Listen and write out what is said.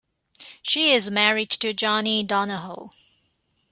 She is married to Johnny Donahoe.